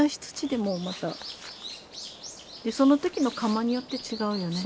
でその時の窯によって違うよね。